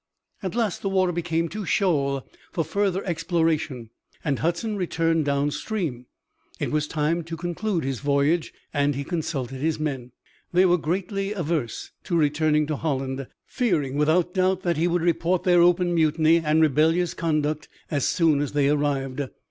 At last the water became too shoal for further exploration and Hudson returned downstream. It was time to conclude his voyage and he consulted his men. They were greatly averse to returning to Holland, fearing without doubt that he would report their open mutiny and rebellious conduct as soon as they arrived.